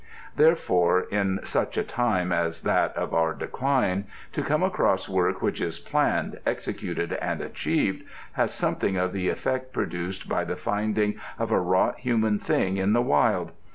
Therefore in such a time as that of our decline, to come across work which is planned, executed and achieved has something of the effect produced by the finding of a wrought human thing in the wild.